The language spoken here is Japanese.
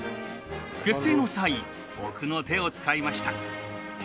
結成の際奥の手を使いました。